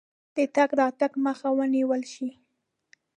د تګ راتګ مخه ونیوله شي.